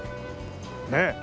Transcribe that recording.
ねえ。